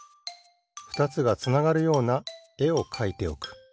ふたつがつながるようなえをかいておく。